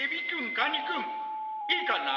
カニくんいいかな？